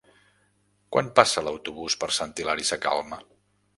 Quan passa l'autobús per Sant Hilari Sacalm?